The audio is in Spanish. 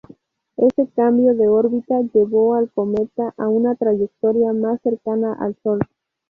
Este cambio de órbita llevó al cometa a una trayectoria más cercana al Sol.